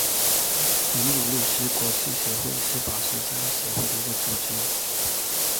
民主律师国际协会是法学家协会的一个国际组织。